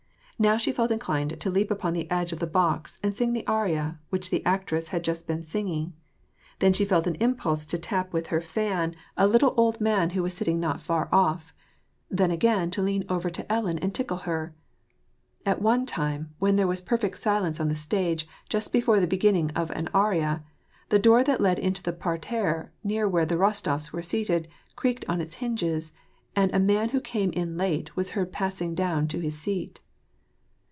Now she felt inclined to leap upon the edge of the box and sing the aria which the actress had just been singing, then she felt an impulse to tap with her fan S42 WAR AND PEACE. a little old man who was sitting not far off, then again to lean over to Ellen and tickle her. At one time, when there was perfect silence on the stage just before the beginning of an aria, the door that led into the parterre near where the Kostofs were seated creaked on its hinges, and a man who came in late was heard passing down to his seat.